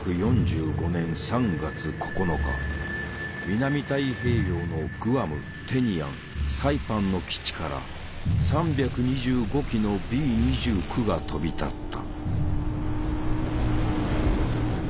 南太平洋のグアムテニアンサイパンの基地から３２５機のＢ２９が飛び立った。